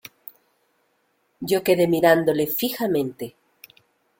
yo quedé mirándole fijamente: